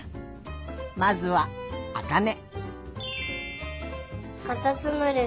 まずはあかね。